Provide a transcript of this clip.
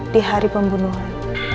di hari pembunuhan